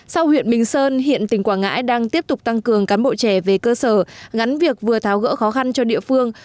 sau huyện bình sơn hiện tỉnh quảng ngãi đang tiếp tục tăng cường cán bộ trẻ về cơ sở gắn việc vừa tháo gỡ khó khăn cho địa phương